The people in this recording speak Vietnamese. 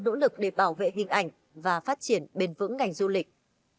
nỗ lực để bảo vệ hình ảnh và phát triển bền vững ngành du lịch